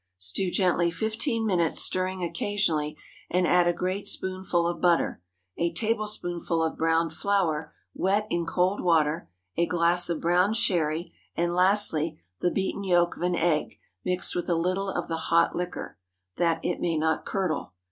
Stew gently fifteen minutes, stirring occasionally, and add a great spoonful of butter, a tablespoonful of browned flour wet in cold water, a glass of brown Sherry, and lastly, the beaten yolk of an egg, mixed with a little of the hot liquor, that it may not curdle.